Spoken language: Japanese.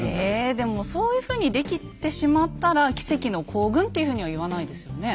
でもそういうふうにできてしまったら「奇跡の行軍」っていうふうには言わないですよね。